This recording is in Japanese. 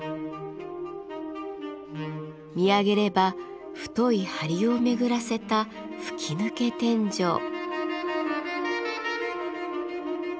見上げれば太い梁を巡らせた吹き抜け天井。